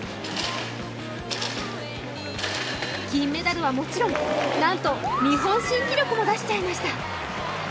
金メダルはもちろん、なんと日本新記録も出しちゃいました。